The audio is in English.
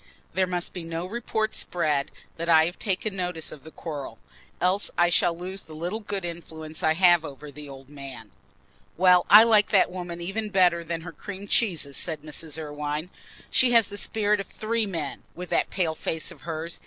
There must be no report spread that I have taken notice of the quarrel, else I shall lose the little good influence I have over the old man." "Well, I like that woman even better than her cream cheeses," said Mrs. Irwine. "She has the spirit of three men, with that pale face of hers.